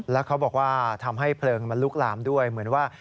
แล้วเขาบอกว่าทำให้เพลิงมันลุกลามด้วยเหมือนว่า